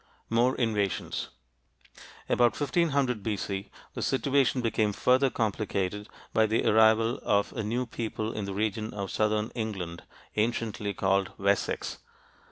MORE INVASIONS About 1500 B.C., the situation became further complicated by the arrival of new people in the region of southern England anciently called Wessex.